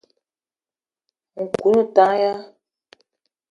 Nkou o ne tank ya ?